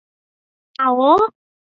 马尔尼莱孔皮耶尼。